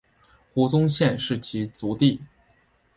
胡宗宪是其族弟。